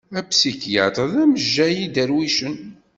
Apsikyatr d amejjay n idarwicen.